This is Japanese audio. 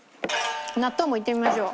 納豆もいってみましょう。